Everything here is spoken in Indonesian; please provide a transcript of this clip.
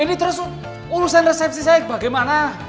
ini terus urusan resepsi saya bagaimana